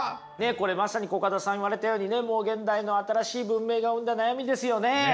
これまさにコカドさん言われたようにねもう現代の新しい文明が生んだ悩みですよね。